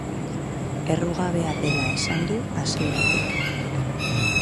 Errugabea dela esan du hasieratik.